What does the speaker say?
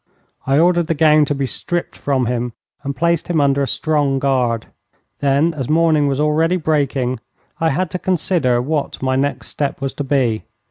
I ordered the gown to be stripped from him and placed him under a strong guard. Then, as morning was already breaking, I had to consider what my next step was to be.